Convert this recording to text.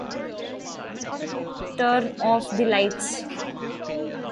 Each local civil defence service was divided into several sections.